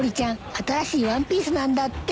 新しいワンピースなんだって。